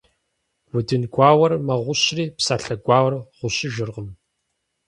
Удын гуауэр мэгъущри, псалъэ гуауэр гъущыжыркъым.